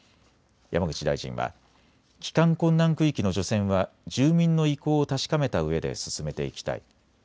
山口大臣は、帰還困難区域の除染は住民の意向を確かめたうえで進めていきたい。